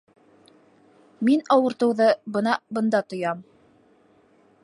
Мин ауыртыуҙы бына бында тоям